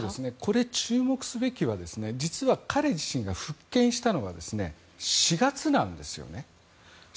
これ、注目すべきは実は彼自身が復権したのは４月なんですよね。